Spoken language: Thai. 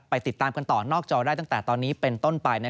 ติดตามกันต่อนอกจอได้ตั้งแต่ตอนนี้เป็นต้นไป